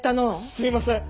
すいません！